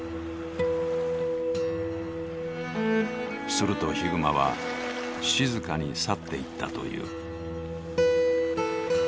するとヒグマは静かに去っていったという。